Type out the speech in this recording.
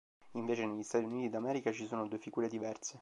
Invece negli Stati Uniti d'America ci sono due figure diverse.